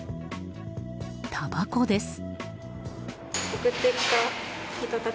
たばこです。